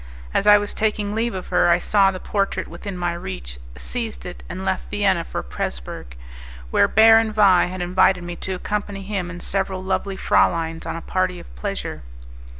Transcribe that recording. As I was taking leave of her, I saw the portrait within my reach, seized it, and left Vienna for Presburg, where Baron Vais had invited me to accompany him and several lovely frauleins on a party of pleasure.